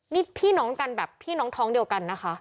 นี่พี่น้องกันแบบพี่น้องท้องเดียวกันนะคะ